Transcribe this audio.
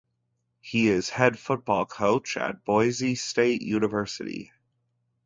He is head football coach at Boise State University.